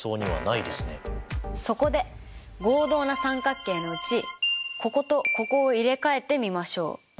そこで合同な三角形のうちこことここを入れ替えてみましょう。